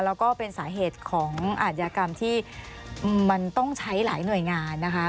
แล้วก็เป็นสาเหตุของอาจยากรรมที่มันต้องใช้หลายหน่วยงานนะคะ